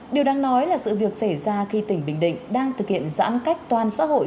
điều đang nói là sự việc xảy ra khi tỉnh bình định đang thực hiện giãn cách toàn xã hội